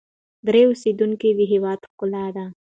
درې او سیندونه د هېواد ښکلا ده.